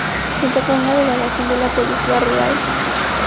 Cuenta con una delegación de la policía rural.